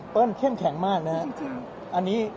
เข้มแข็งมากนะครับ